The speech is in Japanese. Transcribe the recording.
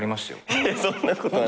いやそんなことはない。